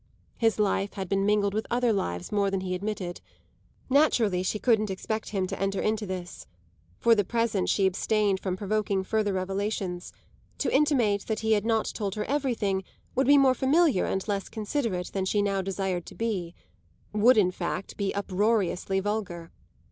His life had been mingled with other lives more than he admitted; naturally she couldn't expect him to enter into this. For the present she abstained from provoking further revelations; to intimate that he had not told her everything would be more familiar and less considerate than she now desired to be would in fact be uproariously vulgar.